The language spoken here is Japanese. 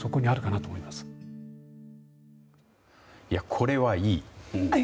これは、いい！